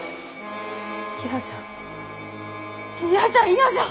嫌じゃ嫌じゃ嫌じゃ！